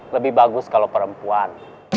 lebih bagus kalau perempuan